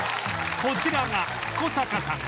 こちらが古坂さん